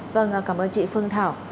vâng cảm ơn chị phương thảo